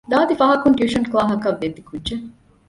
ދާދި ފަހަކުން ޓިއުޝަން ކްލާހަކަށް ވެއްދި ކުއްޖެއް